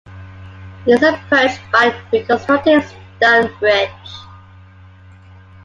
It is approached by a reconstructed stone bridge.